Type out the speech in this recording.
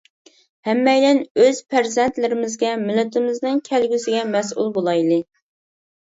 ھەممەيلەن ئۆز پەرزەنتلىرىمىزگە، مىللىتىمىزنىڭ كەلگۈسىگە مەسئۇل بولايلى!